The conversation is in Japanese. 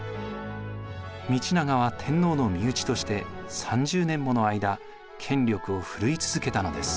道長は天皇の身内として３０年もの間権力を振るい続けたのです。